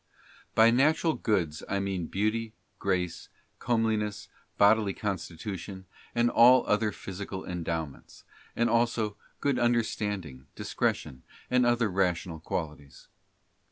By Natural Goods I mean beauty, grace, comeliness, bodily _ constitution, and all other physical endowments, and also good understanding, discretion, and other rational qualities.